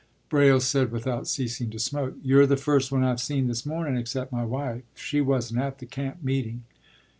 ” Braile, said, without ceasing to smoke, “You're the first one I've seen this morning, except my wife. She wasn't at the camp meeting.